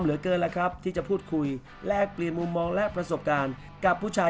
เหลือเกินแล้วครับที่จะพูดคุยแลกเปลี่ยนมุมมองและประสบการณ์กับผู้ชาย